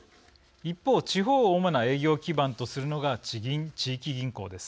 一方、地方を主な営業基盤とするのが、地銀地域銀行です。